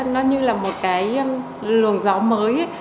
nó như là một cái luồng gió mới